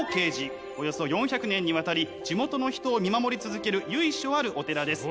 およそ４００年にわたり地元の人を見守り続ける由緒あるお寺です。